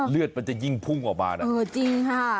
เลือดมันจะยิ่งพุ่งออกมานะเออจริงค่ะ